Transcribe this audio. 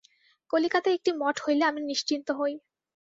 কলিকাতায় একটি মঠ হইলে আমি নিশ্চিন্ত হই।